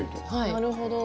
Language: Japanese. なるほど。